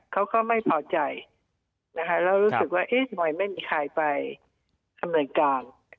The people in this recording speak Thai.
เขาก็ไม่ตอบใจแล้วเรารู้สึกว่าเฮ้ยไม่มีใครไปทำการ